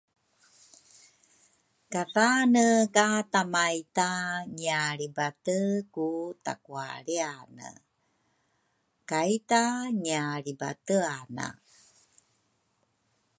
kathane ka tamaita ngialribate ku takualriane, kaita ngialribateane.